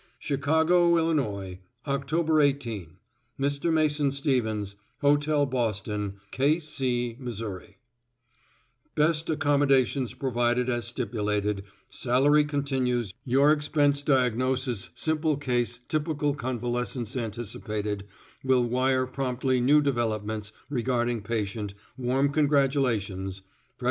Chicago Ills. Oct. 18 Mr. Mason Stevens, Hotel Boston, K C Mo Best accommodations provided as stipulated salary continues your expense diagnosis simple case typical convalescense anticipated will wire promptly new developments regarding patient warm congratulations Fredk.